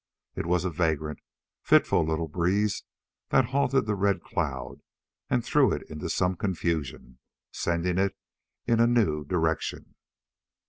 It was a vagrant, fitful little breeze that halted the red cloud and threw it into some confusion, sending it in a new direction.